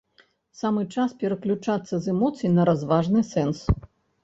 Самы час пераключацца з эмоцый на разважны сэнс.